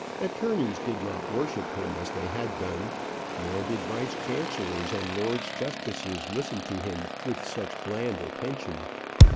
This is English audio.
Attorneys did not worship him as they had done, nor did vice chancellors and lords justices listen to him with such bland attention.